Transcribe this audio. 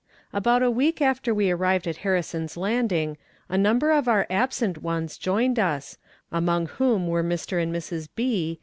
About a week after we arrived at Harrison's Landing a number of our absent ones joined us, among whom were Mr. and Mrs. B.